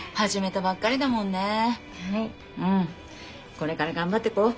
これから頑張っていこう。